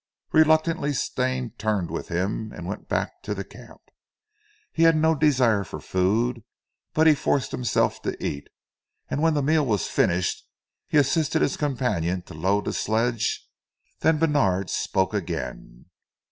Reluctantly Stane turned with him, and went back to the camp. He had no desire for food, but he forced himself to eat, and when the meal was finished he assisted his companion to load the sledge. Then Bènard spoke again.